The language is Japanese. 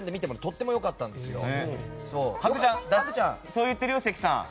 そう言ってるよ、関さん。